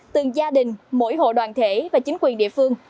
từng gia đình mỗi hộ đoàn thể và chính quyền địa phương